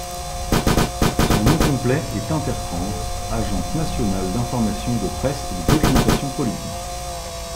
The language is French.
Son nom complet est Inter-France, agence nationale d'informations de presse et de documentation politique.